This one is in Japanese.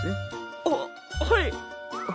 あっはい！